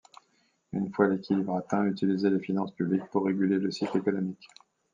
Une fois l'équilibre atteint, utiliser les finances publiques pour réguler le cycle économique.